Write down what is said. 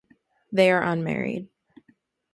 They are unmarried.